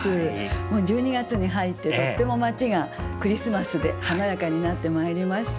もう１２月に入ってとっても街がクリスマスで華やかになってまいりました。